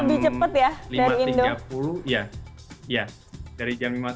lebih cepet ya dari indo